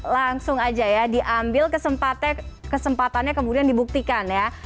langsung aja ya diambil kesempatannya kemudian dibuktikan ya